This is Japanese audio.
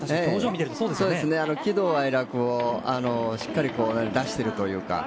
喜怒哀楽をしっかり出してるというか。